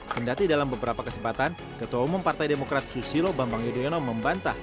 kendati dalam beberapa kesempatan ketua umum partai demokrat susilo bambang yudhoyono membantah